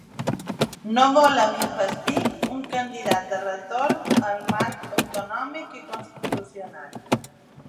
No volem investir un candidat de retorn al marc autonòmic i constitucional.